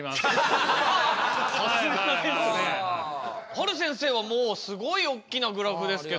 はる先生はもうすごいおっきなグラフですけど。